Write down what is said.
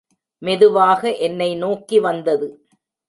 மெதுவாக என்னை நோக்கி வந்தது.